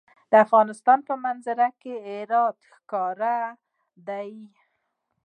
د افغانستان په منظره کې هرات ښکاره دی.